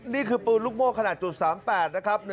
นี่คือปืนลูกโม่ขนาด๓๘นะครับ